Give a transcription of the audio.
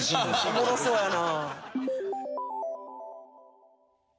おもろそうやな。